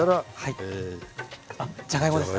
じゃがいもですかね。